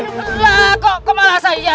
lah kok kemala saya